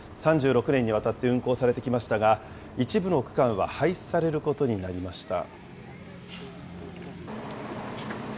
３６年にわたって運行されてきましたが、一部の区間は廃止されることになりました。